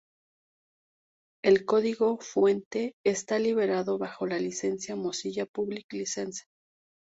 El código fuente está liberado bajo la licencia Mozilla Public License.